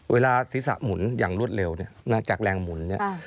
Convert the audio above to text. เวลาศีรษะหมุนอย่างรวดเร็วเนี่ยจากแรงหมุนเนี่ย